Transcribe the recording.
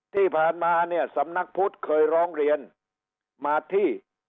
ที่ผ่านมาเนี่ยสำนักพุทธเคยร้องเรียนมาที่